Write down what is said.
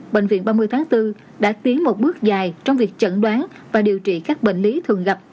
bệnh viện ba mươi tháng bốn đã tiến một bước dài trong việc chẩn đoán và điều trị các bệnh lý thường gặp